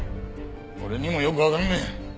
俺にもよくわかんねえ。